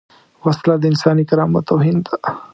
وسله د انساني کرامت توهین ده